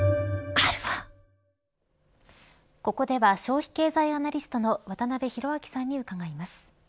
ここでは消費経済アナリストの渡辺広明さんに伺います。